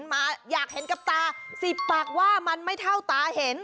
มาอยากเห็นกับตา๑๐ปากว่ามันไม่เท่าตาเห็น